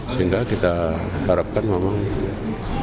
sehingga kita bisa memperhatikan kepentingan kepentingan lain kepentingan militer